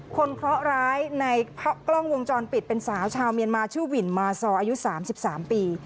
เคราะหร้ายในกล้องวงจรปิดเป็นสาวชาวเมียนมาชื่อวินมาซออายุ๓๓ปี